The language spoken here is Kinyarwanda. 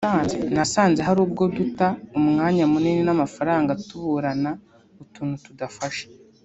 nasanze hari ubwo duta umwanya munini n’amafaranga tuburana utuntu tudafashe